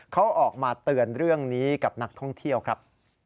เขาออกมาเตือนเรื่องนี้กับนักท่องเที่ยวครับ